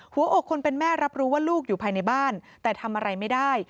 หัวอกคนเป็นแม่รับรู้ว่าลูกอยู่ภายในบ้านแต่ทำอะไรไม่ได้